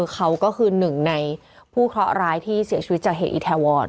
เขาก็คือหนึ่งในผู้เคราะห์ร้ายที่เสียชีวิตจากเหตุอีแทวร